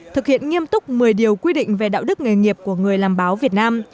thực hiện nghiêm túc một mươi điều quy định về đạo đức nghề nghiệp của người làm báo việt nam